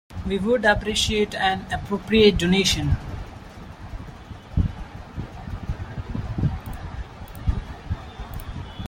We would appreciate an appropriate donation